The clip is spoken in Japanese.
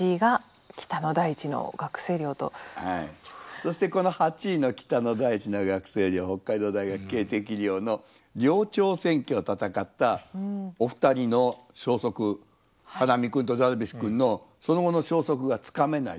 そしてこの８位の「北の大地の学生寮」北海道大学恵迪寮の寮長選挙を戦ったお二人の消息ハラミ君とダルビッシュ君のその後の消息がつかめない。